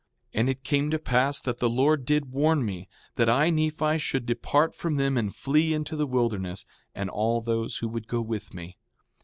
5:5 And it came to pass that the Lord did warn me, that I, Nephi, should depart from them and flee into the wilderness, and all those who would go with me.